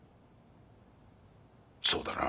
そうだな？